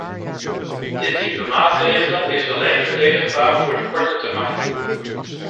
Dit type maatregelen is alleen verdedigbaar voor de korte termijn.